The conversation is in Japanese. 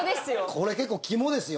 これ結構肝ですよ。